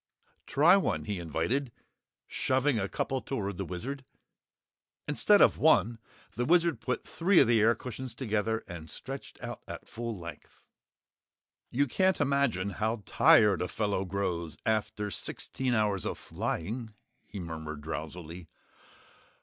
"Try one," he invited, shoving a couple toward the Wizard. Instead of one, the Wizard put three of the air cushions together and stretched out at full length. "You can't imagine how tired a fellow grows after sixteen hours of flying," he murmured drowsily.